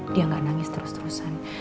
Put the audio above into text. dia nggak nangis terus terusan